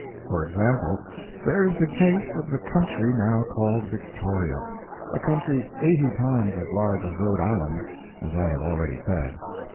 For example, there is the case of the country now called Victoria a country eighty times as large as Rhode Island, as I have already said.